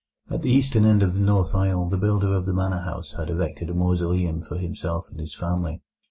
At the eastern end of the north aisle the builder of the manor house had erected a mausoleum for himself and his family.